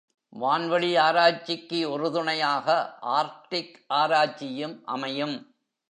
வான்வெளி ஆராய்ச்சிக்கு உறுதுணையாக ஆர்க்டிக் ஆராய்ச்சியும் அமையும்.